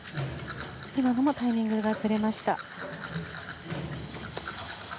今のもタイミングがずれました。